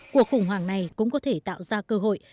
cuộc khủng hoảng này cũng có thể tạo ra cơ hội